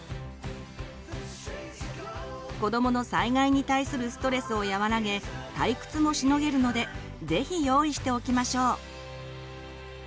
子どもの災害に対するストレスを和らげ退屈もしのげるので是非用意しておきましょう。